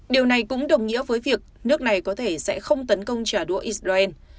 điều này cũng đồng nghĩa với việc nước này có thể sẽ không tấn công trả đũa israel